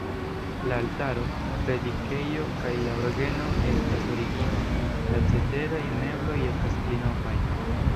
La altaro, predikejo kaj la orgeno estas originaj, la ceteraj mebloj estas pli novaj.